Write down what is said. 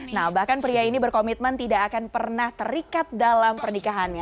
nah bahkan pria ini berkomitmen tidak akan pernah terikat dalam pernikahannya